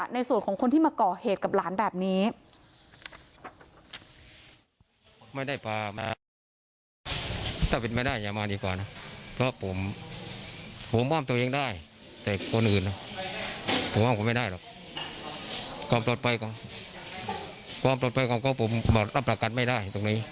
ในส่วนของคนที่มาก่อเหตุกับหลานแบบนี้